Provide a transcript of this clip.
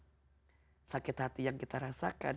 siksanya allah dengan sakit hati yang kita rasakan